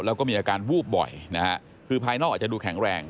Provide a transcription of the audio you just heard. แล้วก็มีอาการวูบบ่อยนะฮะคือภายนอกอาจจะดูแข็งแรง